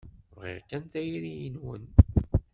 Bɣiɣ kan tayri-nwen.